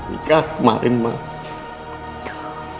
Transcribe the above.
ini nikah kemarin mama